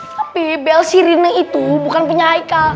tapi bel si rina itu bukan punya haikal